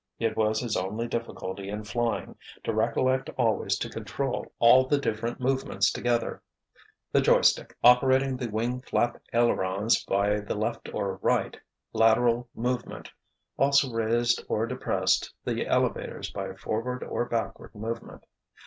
It was his only difficulty in flying, to recollect always to control all the different movements together. The joystick, operating the wing flap ailerons by the left or right, lateral movement, also raised or depressed the elevators by forward or backward movement.